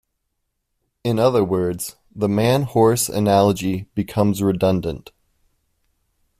In other words, the man-horse analogy becomes redundant.